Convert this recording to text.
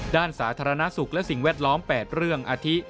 สาธารณสุขและสิ่งแวดล้อม๘เรื่องอาทิ